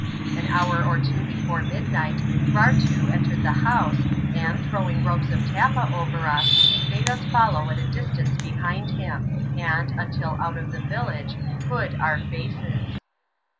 An hour or two before midnight, Hartoo entered the house^ and, throwing robes of tappa over us, bade us follow at a dis tance behind him ; and, until oat of the village, hood our faces.